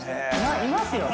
いますよね。